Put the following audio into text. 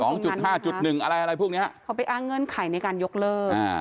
จุดห้าจุดหนึ่งอะไรอะไรพวกเนี้ยเขาไปอ้างเงื่อนไขในการยกเลิกอ่า